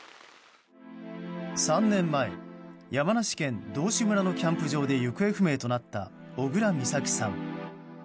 ３年前山梨県道志村のキャンプ場で行方不明となった小倉美咲さん。